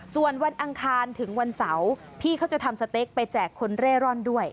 ส่วนวันอังคารถึงวันเสาร์พี่เขาจะทำสเต็กไปแจกคนเร่ร่อนด้วย